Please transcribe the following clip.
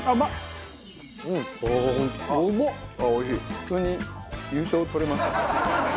普通に優勝とれますよね。